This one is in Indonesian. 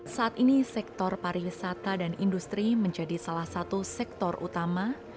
saat ini sektor pariwisata dan industri menjadi salah satu sektor utama